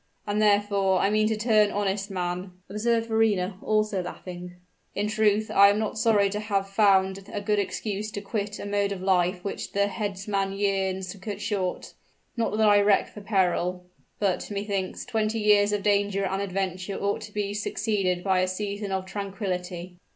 "And therefore, I mean to turn honest man," observed Verrina, also laughing. "In truth, I am not sorry to have found a good excuse to quit a mode of life which the headsman yearns to cut short. Not that I reck for peril; but, methinks, twenty years of danger and adventure ought to be succeeded by a season of tranquillity."